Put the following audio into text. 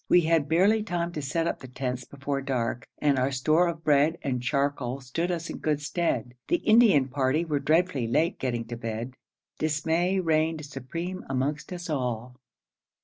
We had barely time to set up the tents before dark, and our store of bread and charcoal stood us in good stead. The Indian party were dreadfully late getting to bed. Dismay reigned supreme amongst us all.